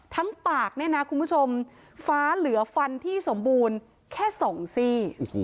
ปากเนี่ยนะคุณผู้ชมฟ้าเหลือฟันที่สมบูรณ์แค่๒ซี่